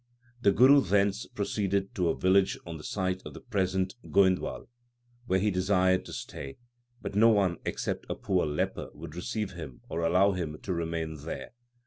The Guru thence proceeded to a village on the site of the present Goindwal, where he desired to stay, but no one except a poor leper would receive him or allow him to remain there.